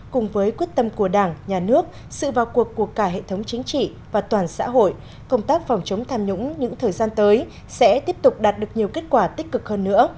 cùng với quyết tâm của đảng nhà nước sự vào cuộc của cả hệ thống chính trị và toàn xã hội công tác phòng chống tham nhũng những thời gian tới sẽ tiếp tục đạt được nhiều kết quả tích cực hơn nữa